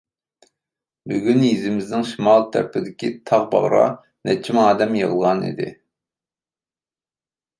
بۈگۈن يېزىمىزنىڭ شىمال تەرىپىدىكى تاغ باغرىغا نەچچە مىڭ ئادەم يىغىلغان ئىدى.